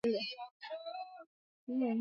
Tumbo kunguruma kila wakati